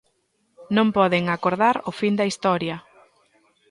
Non poden acordar o fin da historia.